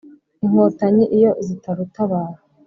Inkotanyi iyo zitarutabara